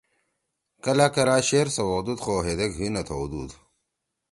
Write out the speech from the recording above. کلہ کلہ شعر سوَؤدُود خو ہیدیک حی نہ تھؤدُود